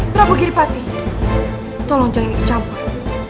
prabu giripati tolong jangan tercampur